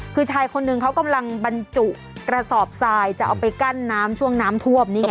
คือชายคนหนึ่งเขากำลังบรรจุกระสอบทรายจะเอาไปกั้นน้ำช่วงน้ำท่วมนี่ไง